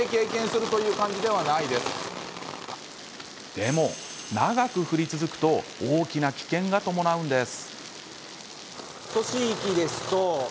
でも、長く降り続くと大きな危険が伴うんです。